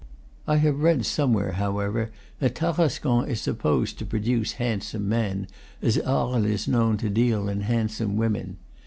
I have read somewhere, however, that Tarascon is supposed to produce handsome men, as Arles is known to deal in handsome women.